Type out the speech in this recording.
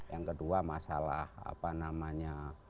yang kedua masalah apa namanya